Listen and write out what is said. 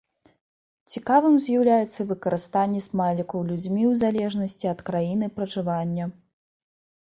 Цікавым з'яўляецца і выкарыстанне смайлікаў людзьмі ў залежнасці ад краіны пражывання.